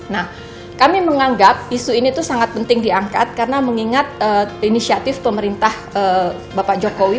nah kami menganggap isu ini itu sangat penting diangkat karena mengingat inisiatif pemerintah bapak jokowi